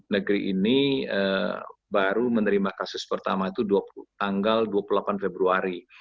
negeri ini baru menerima kasus pertama itu tanggal dua puluh delapan februari